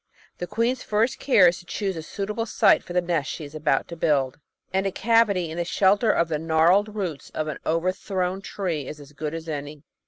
The queen's first care is to choose a suitable site for the nest she is about to build, and a cavity in the shelter of the gnarled roots of an overthrown tree is as good as any.